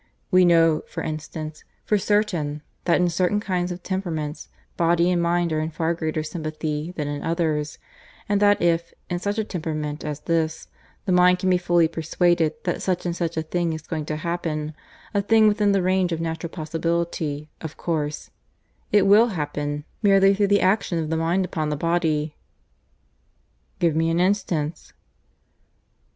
We know, for instance, for certain, that in certain kinds of temperaments body and mind are in far greater sympathy than in others; and that if, in such a temperament as this, the mind can be fully persuaded that such and such a thing is going to happen a thing within the range of natural possibility, of course it will happen, merely through the action of the mind upon the body." "Give me an instance."